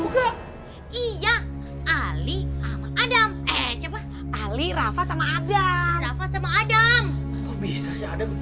gak ada pak aduh pak